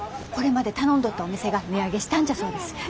これまで頼んどったお店が値上げしたんじゃそうです。